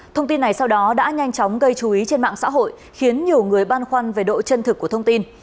thông tin này sau đó đã nhanh chóng gây chú ý trên mạng xã hội khiến nhiều người băn khoăn về độ chân thực của thông tin